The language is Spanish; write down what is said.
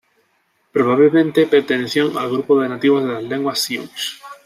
Probablemente pertenecían al grupo de nativos de las lenguas siux.